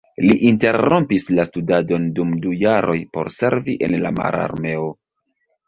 Li interrompis la studadon dum du jaroj por servi en la mararmeo.